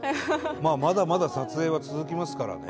まあまだまだ撮影は続きますからね。